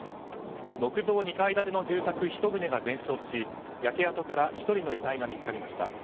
木造２階建ての住宅１棟が全焼し焼け跡から１人の遺体が見つかりました。